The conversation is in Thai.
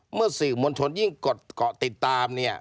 เมื่อสื่อมณชนยิ่งเกาะติดตามเนี่ย